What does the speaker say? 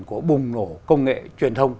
của bùng nổ công nghệ truyền thông